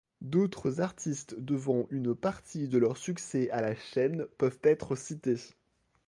D'autres artistes devant une partie de leur succès à la chaîne peuvent être cités.